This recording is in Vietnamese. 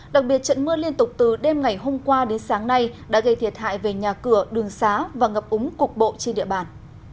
đặc biệt trận mưa liên tục từ đêm ngày hôm qua đến sáng nay đã gây thiệt hại về nhà cửa đường xá và ngập úng cục bộ trên địa bàn